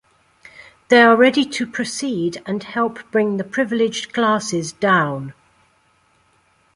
They are ready to proceed and help bring the privileged classes down.